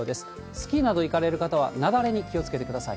スキーなど行かれる方は、雪崩に気をつけてください。